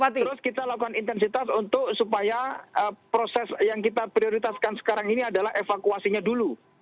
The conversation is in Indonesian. terus kita lakukan intensitas untuk supaya proses yang kita prioritaskan sekarang ini adalah evakuasinya dulu